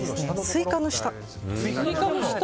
スイカの下。